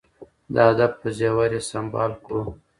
د ادب په زیور یې سمبال کړو.